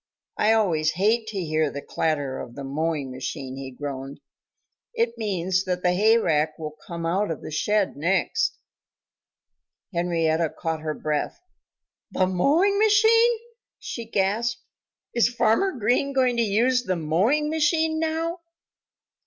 I always hate to hear the clatter of the mowing machine," he groaned. "It means that the hayrake will come out of the shed next." Henrietta Hen caught her breath. "The mowing machine!" she gasped. "Is Farmer Green going to use the mowing machine now?"